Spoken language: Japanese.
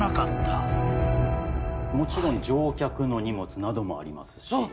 もちろん乗客の荷物などもありますし。